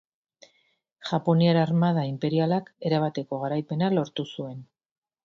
Japoniar armada inperialak erabateko garaipena lortu zuen.